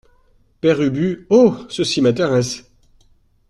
Père Ubu Oh ! ceci m’intéresse.